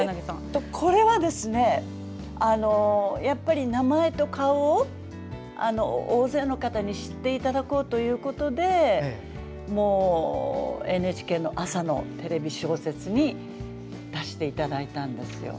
これはですね、やっぱり名前と顔を大勢の方に知っていただこうということでＮＨＫの朝のテレビ小説に出していただいたんですよ。